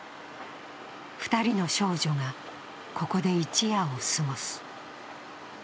２人の少女が、ここで一夜を過ごす。